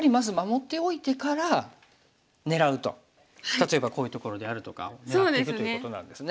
例えばこういうところであるとかを狙っていくということなんですね。